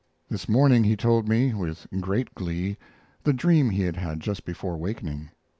This morning he told me, with great glee, the dream he had had just before wakening.